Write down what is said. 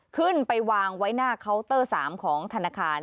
ขึ้นไปวางไว้หน้าเคาน์เตอร์๓ของธนาคาร